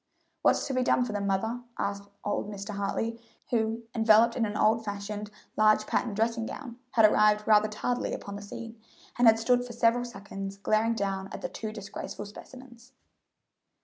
"What's to be done with them, mother?" asked old Mr. Hartley, who, enveloped in an old fashioned, large patterned dressing gown, had arrived rather tardily upon the scene, and had stood for several seconds glaring down at the two disgraceful specimens.